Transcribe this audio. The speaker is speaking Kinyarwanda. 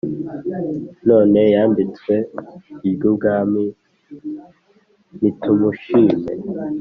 None yambitswe iry’ubwami nitumushime